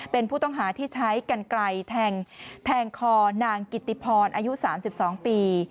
เป็นผู้ต้องหาที่ใช้กันไกลแทงคอนางกิติพรอายุ๓๒ปี